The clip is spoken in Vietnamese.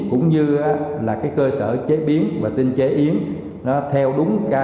cũng như cơ sở chế biến và tinh chế yến theo đúng tiêu chuẩn của quốc tế